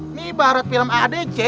ini ibarat film aadc